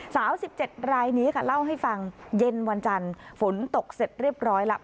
๑๗รายนี้ค่ะเล่าให้ฟังเย็นวันจันทร์ฝนตกเสร็จเรียบร้อยแล้ว